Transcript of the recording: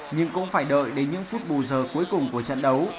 nhưng cũng phải đợi đến những phút bù giờ cuối cùng của trận đấu